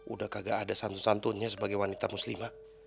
udah kagak ada santun santunnya sebagai wanita muslimah